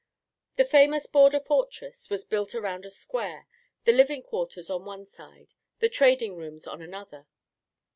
The famous border fortress was built around a square, the living quarters on one side, the trading rooms on another.